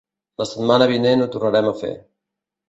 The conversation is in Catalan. La setmana vinent ho tornarem a fer.